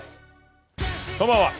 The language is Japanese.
こんばんは。